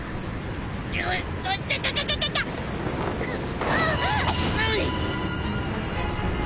うっ！